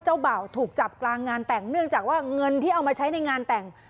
บ่าวถูกจับกลางงานแต่งเนื่องจากว่าเงินที่เอามาใช้ในงานแต่ง